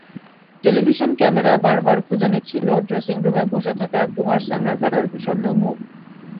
Television camera বারবার খুঁজে নিচ্ছিল ড্রেসিংরুমে বসে থাকা কুমার সাঙ্গাকারার বিষণ্ন মুখ।